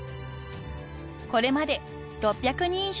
［これまで６００人以上が学び